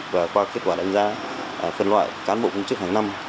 và qua kết quả đánh giá phân loại cán bộ công chức hàng năm